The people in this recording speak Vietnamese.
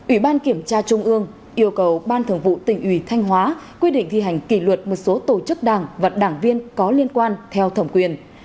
ủy ban kiểm tra trung ương yêu cầu ban thường vụ tỉnh ủy thanh hóa quy định thi hành kỷ luật một số tổ chức đảng và đảng viên có liên quan theo thẩm quyền